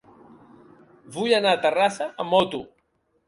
Vull anar a Terrassa amb moto.